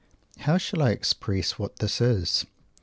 How shall I express what this is?